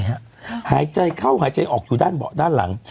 ขอโทษฮะหายใจเข้าหายใจออกอยู่ด้านหลัง